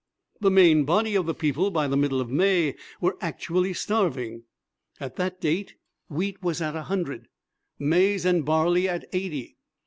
The main body of the people, by the middle of May, were actually starving. At that date wheat was at a hundred, maize and barley at eighty.